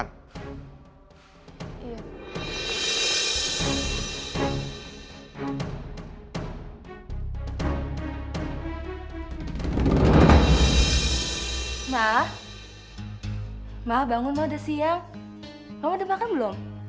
papa kamu tuh udah meninggal